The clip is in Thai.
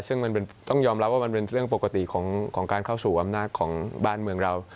ซึ่งมันต้องยอมรับว่ามันเป็นเรื่องปกติของการเข้าสู่อำนาจของบ้านเมืองเรา